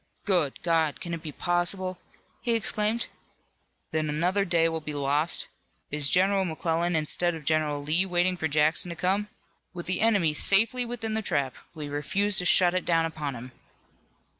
"Good God! can it be possible!" he exclaimed, "that another day will be lost? Is General McClellan instead of General Lee waiting for Jackson to come? With the enemy safely within the trap, we refuse to shut it down upon him!"